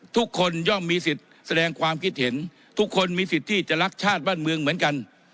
ย่อมมีสิทธิ์แสดงความคิดเห็นทุกคนมีสิทธิ์ที่จะรักชาติบ้านเมืองเหมือนกัน